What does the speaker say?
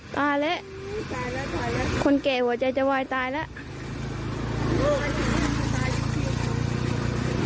ตายแล้วคนแก่หัวใจจะวายตายแล้ว